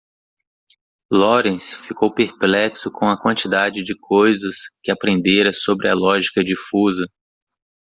Lawrence ficou perplexo com a quantidade de coisas que aprendera sobre a lógica difusa.